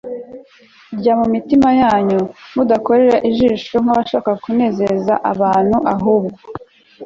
rya mu mitima yanyu mudakorera ijisho nk abashaka kunezeza abantu a ahubwo